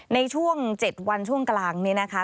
ในช่วง๗วันช่วงกลางนี้นะคะ